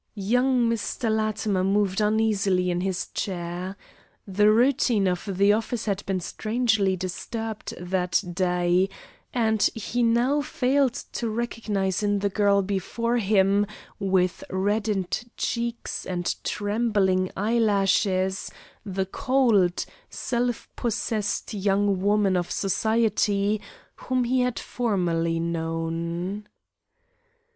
Young Mr. Latimer moved uneasily in his chair. The routine of the office had been strangely disturbed that day, and he now failed to recognize in the girl before him with reddened cheeks and trembling eyelashes the cold, self possessed young woman of society whom he had formerly known.